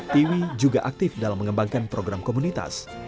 tiwi juga aktif dalam mengembangkan program komunitas